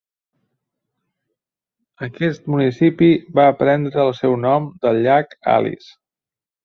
Aquest municipi va prendre el seu nom del llac Alice.